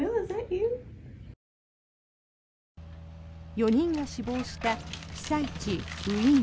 ４人が死亡した被災地ウィン。